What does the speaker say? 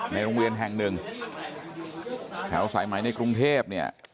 โรงเรียนแห่งหนึ่งแถวสายไหมในกรุงเทพเนี่ย